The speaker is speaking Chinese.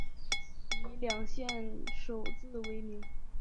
以两县首字为名。